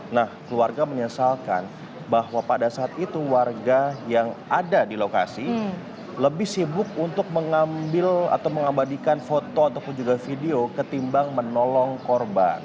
nah keluarga menyesalkan bahwa pada saat itu warga yang ada di lokasi lebih sibuk untuk mengambil atau mengabadikan foto ataupun juga video ketimbang menolong korban